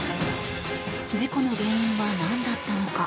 事故の原因はなんだったのか。